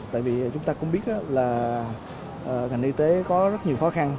tại vì chúng ta cũng biết là ngành y tế có rất nhiều khó khăn